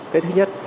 cái thứ nhất